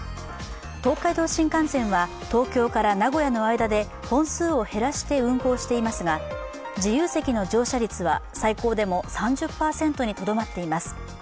東海道新幹線は東京から名古屋の間で本数を減らして運行していますが自由席の乗車率は最高でも３０％にとどまっています。